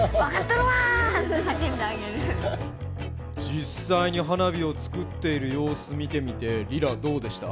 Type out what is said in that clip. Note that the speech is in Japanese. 実際に花火を作っている様子見てみて莉良どうでした？